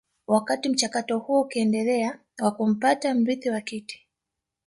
Wakati mchakato huo ukiendelea wa kumpata mrithi wa kiti